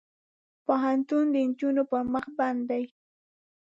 پوهنتون د نجونو پر مخ بند دی.